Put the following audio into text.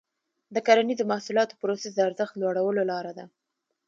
د کرنیزو محصولاتو پروسس د ارزښت لوړولو لاره ده.